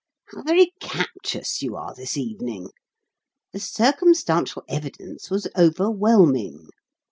"How very captious you are this evening. The circumstantial evidence was overwhelming.